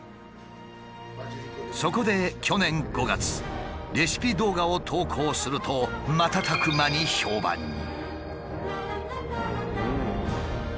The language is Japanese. そこで去年５月レシピ動画を投稿すると瞬く間に評判に。